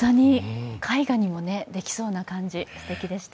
絵画にもできそうな感じ、すてきでした。